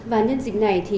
và nhân dịp này